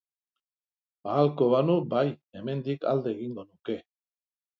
Ahalko banu, bai, hemendik alde egingo nuke.